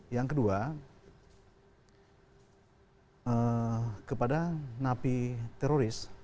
yang kedua kepada napi teroris